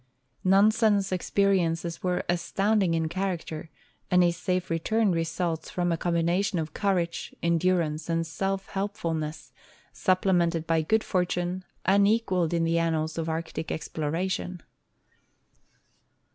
Nansen's experiences were astound ing in character, and his safe return results from a combination of courage, endurance, and self helpfulness, supplemented by good fortune, unequaled in the annals of Arctic exploration.